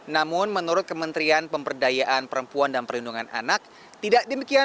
namun menurut kementerian pemberdayaan perempuan dan perlindungan anak